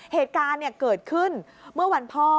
เหตุการณ์เกิดขึ้นเมื่อวันพ่อ